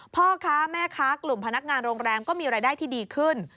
พ่อค้าแม่ค้ากลุ่มพนักงานโรงแรมก็มีรายได้ที่ดีขึ้น